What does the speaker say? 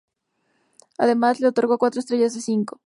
Además, le otorgó cuatro estrellas de cinco.